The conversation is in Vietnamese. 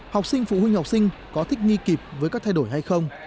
học sinh phụ huynh học sinh có thích nghi kịp với các thay đổi hay không